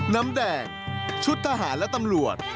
น้ำแดงชุดทหารและตำรวจ